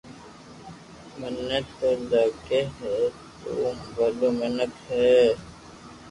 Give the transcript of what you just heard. مني توو لاگي ھي تو ڀلو مينڪ ھي